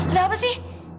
ada apa sih